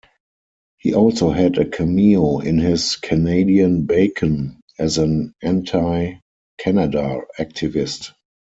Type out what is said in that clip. He also had a cameo in his "Canadian Bacon" as an anti-Canada activist.